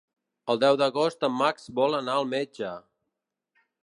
El deu d'agost en Max vol anar al metge.